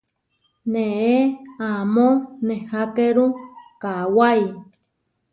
Neé amó nehákeru kawái.